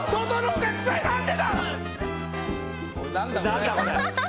何だこれ。